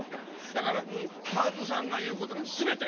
だからもうパートさんが言う事が全て。